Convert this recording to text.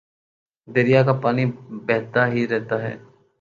دریا کا پانی بہتا ہی رہتا ہے